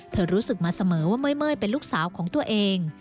รู้สึกมาเสมอว่าเมื่อยเป็นลูกสาวของตัวเอง